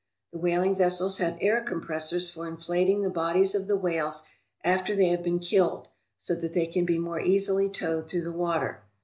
The whaling vessels have air com pressors fbr inflating the bodies of the whales after they have been killed, so that they can be more easily towed through the water.